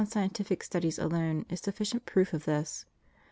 scientific studies alone is sufficient proof of this.